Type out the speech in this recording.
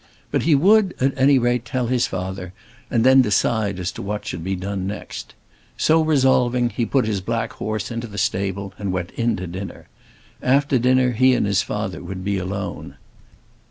But he would, at any rate, tell his father, and then decide as to what should be done next. So resolving, he put his black horse into the stable and went in to dinner. After dinner he and his father would be alone.